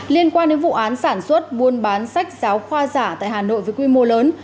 liên quan đến vụ án sản xuất buôn bán sách giáo khoa giả tại hà nội với quy mô lớn